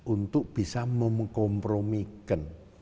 untuk bisa mengkompromikan